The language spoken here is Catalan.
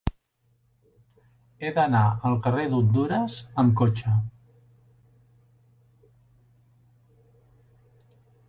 He d'anar al carrer d'Hondures amb cotxe.